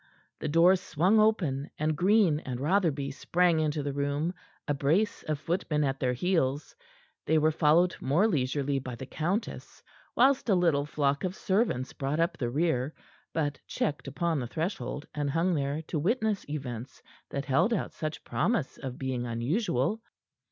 The door swung open, and Green and Rotherby sprang into the room, a brace of footmen at their heels. They were followed more leisurely by the countess; whilst a little flock of servants brought up the rear, but checked upon the threshold, and hung there to witness events that held out such promise of being unusual.